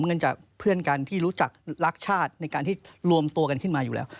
เงินจากเพื่อนกันที่รู้จักรักชาติในการที่รวมตัวกันขึ้นมาอยู่แล้ว